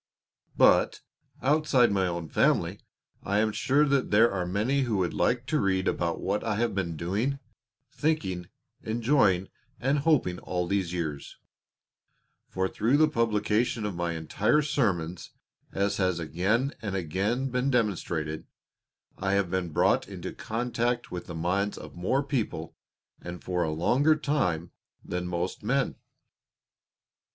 But, outside my own family, I am sure that there are many who would like to read about what I have been doing, thinking, enjoying, and hoping all these years; for through the publication of my entire Sermons, as has again and again been demonstrated, I have been brought into contact with the minds of more people, and for a longer time, than most men.